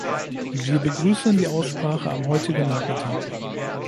Wir begrüßen die Aussprache am heutigen Nachmittag.